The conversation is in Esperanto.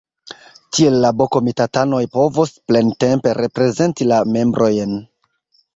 Tiel la B-komitatanoj povos plentempe reprezenti la membrojn.